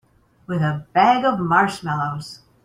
With a bag of marshmallows.